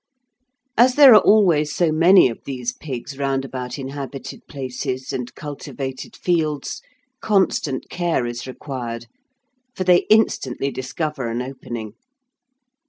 As there are always so many of these pigs round about inhabited places and cultivated fields, constant care is required, for they instantly discover an opening.